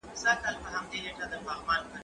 زه پرون مېوې راټولې کړې